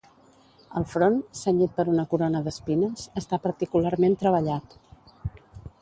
El front, cenyit per una corona d'espines, està particularment treballat.